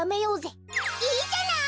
いいじゃない！